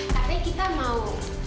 tete kita mau